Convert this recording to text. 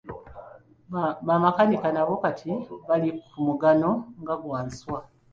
Bamakanika nabo kati bali ku mugano nga gwa nswa.